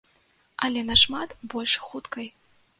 Але нашмат больш хуткай.